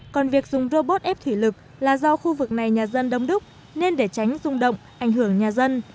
còn việc dùng robot ép thủy lực là do khu vực này nhà dân đông đúc nên để tránh rung động ảnh hưởng nhà dân